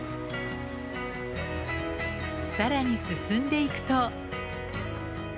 更に進んでいくと。